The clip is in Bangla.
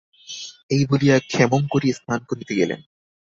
এই বলিয়া ক্ষেমংকরী স্নান করিতে গেলেন।